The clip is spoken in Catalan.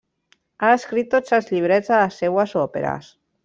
Ha escrit tots els llibrets de les seues òperes.